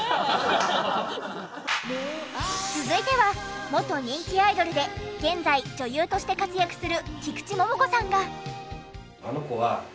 続いては元人気アイドルで現在女優として活躍する菊池桃子さんが。